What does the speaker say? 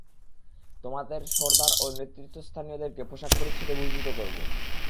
তোমাদের সরদার ও নেতৃস্থানীয়দেরকে পোষাক পরিচ্ছদে ভূষিত করব।